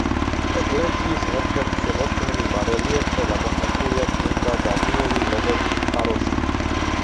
ეკლესიის ერთ-ერთ შემორჩენილ ბარელიეფზე გამოსახულია წმინდა დანიელი ლომების ხაროში.